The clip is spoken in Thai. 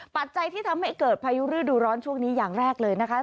ปัจจัยที่ทำให้เกิดพายุฤดูร้อนช่วงนี้อย่างแรกเลยนะคะ